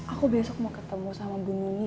aku besok mau ketemu sama bunyi